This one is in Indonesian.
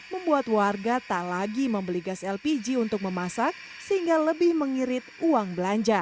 membuat warga tak lagi membeli gas lpg untuk memasak sehingga lebih mengirit uang belanja